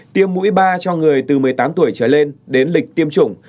tiêm mũi ba cho người từ một mươi tám tuổi trở lên đến lịch tiêm chủng